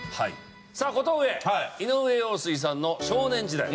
さあ小峠井上陽水さんの『少年時代』。